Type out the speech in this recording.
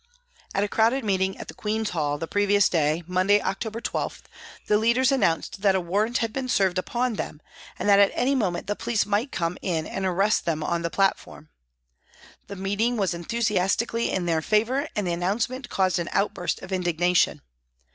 At a crowded meeting at the Queen's Hall the previous day, Monday, October 12, the leaders announced that a warrant had been served upon them and that at any moment the police might come in and arrest them on the platform. The meeting was enthusiastically in their favour and the announce ment caused an outburst of indignation.